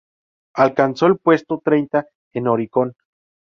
Alcanzó el puesto treinta en Oricon.